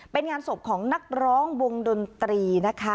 เป็นงานศพของนักร้องวงดนตรีนะคะ